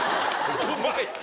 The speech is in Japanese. うまい。